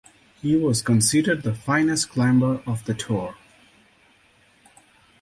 He was considered the finest climber of the Tour.